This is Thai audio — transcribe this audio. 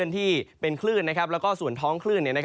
ที่เป็นคลื่นแล้วก็ส่วนท้องคลื่น